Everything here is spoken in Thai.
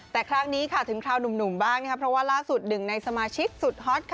แต่ครั้งนี้ค่ะถึงคราวหนุ่มบ้างเพราะว่าล่าสุดหนึ่งในสมาชิกสุดฮอตค่ะ